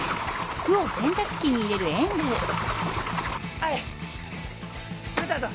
はいしめたっと。